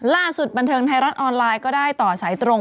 ล่าสุดบันเทิงไทยรัฐออนไลน์ก็ได้ต่อสายตรง